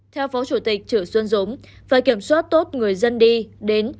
theo phó chủ tịch trữ xuân dũng phải kiểm soát tốt người dân đi đến